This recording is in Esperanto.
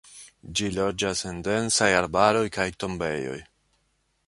Ĝi loĝas en densaj arbaroj, kaj tombejoj.